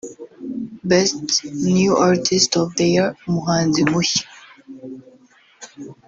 Best New Artist of the year (umuhanzi mushya)